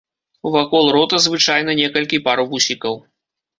Вакол рота звычайна некалькі пар вусікаў.